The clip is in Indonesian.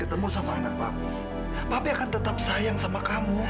aduh kamu ini apa dari kami